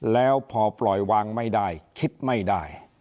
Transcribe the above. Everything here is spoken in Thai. แล้วพอปล่อยวางไม่ได้คิดไม่ได้